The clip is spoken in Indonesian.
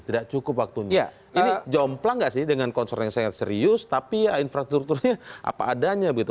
tidak cukup waktunya ini jomplang gak sih dengan concern yang sangat serius tapi ya infrastrukturnya apa adanya begitu